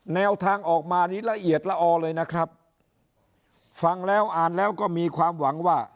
แนวทางออกมานี่ละเอียดละออเลยนะครับฟังแล้วอ่านแล้วก็มีความหวังว่า